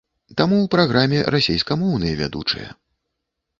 Таму ў праграме расейскамоўныя вядучыя.